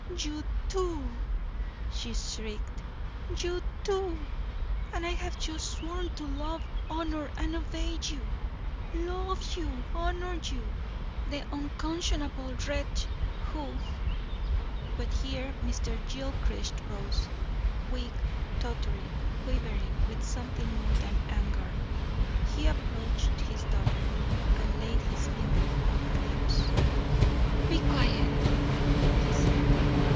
"You too!" she shrieked. "You too! and I have just sworn to love, honour, and obey you! Love YOU! Honour YOU! the unconscionable wretch who " But here Mr. Gilchrist rose. Weak, tottering, quivering with something more than anger, he approached his daughter and laid his finger on her lips. "Be quiet!" he said.